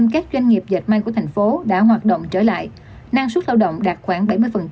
tám mươi các doanh nghiệp diệt mai của thành phố đã hoạt động trở lại năng suất lao động đạt khoảng bảy mươi